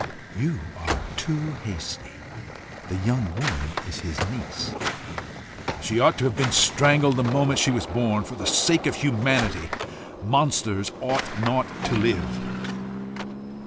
"You are too hasty: the young woman is his niece." "She ought to have been strangled the moment she was born for the sake of humanity. Monsters ought not to live."